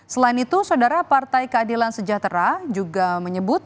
selain itu saudara partai keadilan sejahtera juga menyebut